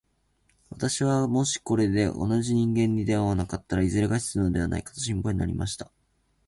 私はもしこれで同じ人間に出会わなかったら、いずれ餓死するのではないかと心配になりました。